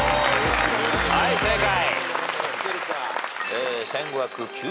はい正解。